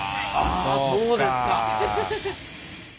そうですか。